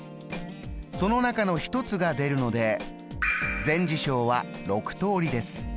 その中の一つが出るので全事象は６通りです。